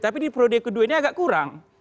tapi di periode kedua ini agak kurang